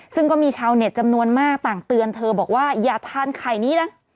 ซึ่งก็มีชาวเน็ตจำนวนมากต่างเตือนเธอบอกว่าอย่าทานไข่นี้นะ